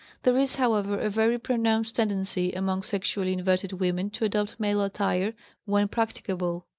There is, however, a very pronounced tendency among sexually inverted women to adopt male attire when practicable.